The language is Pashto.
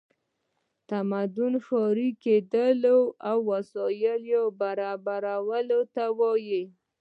تمدن ښاري کیدل او د وسایلو برابرولو ته وایي.